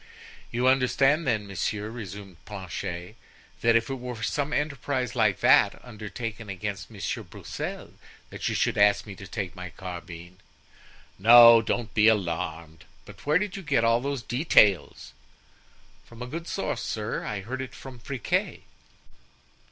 "You understand, then, monsieur," resumed Planchet, "that if it were for some enterprise like that undertaken against Monsieur Broussel that you should ask me to take my carbine——" "No, don't be alarmed; but where did you get all these details?" "From a good source, sir; I heard it from Friquet."